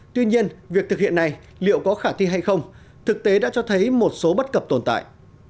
tuy nhiên việc thực hiện này liệu có khả thi hay không thực tế đã cho thấy một số bất cập tồn tại